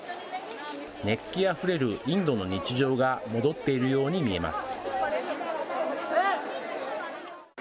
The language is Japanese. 熱気あふれるインドの日常が戻っているように見えます。